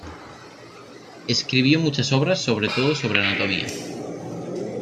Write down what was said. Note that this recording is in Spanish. Escribió muchas obras sobre todo sobre anatomía.